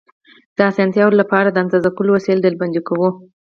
د اسانتیا له پاره، د اندازه کولو وسایل ډلبندي کوو.